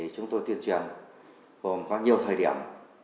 chúng tôi tuyên truyền có nhiều thời điểm